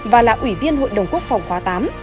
và là ủy viên hội đồng quốc phòng khóa tám